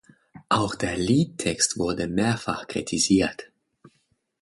Auch der Liedtext wurde mehrfach kritisiert.